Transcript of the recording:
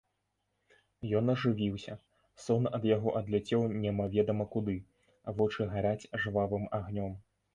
Ён ажывіўся, сон ад яго адляцеў немаведама куды, вочы гараць жвавым агнём.